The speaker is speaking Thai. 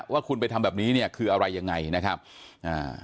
ว่าคุณไปทำแบบนี้เนี่ยคืออะไรยังไงนะครับอ่า